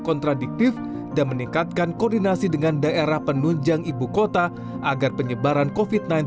kontradiktif dan meningkatkan koordinasi dengan daerah penunjang ibukota agar penyebaran kofit